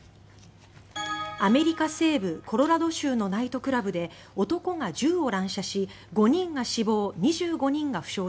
アメリカ西部コロラド州のナイトクラブで男が銃を乱射し５人が死亡２５人が負傷しました。